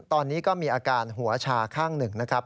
ตอนนี้ก็มีอาการหัวชาข้างหนึ่งนะครับ